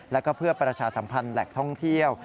แล้วก็เพื่อประชาสัมพันธ์แหล่งท่องเที่ยว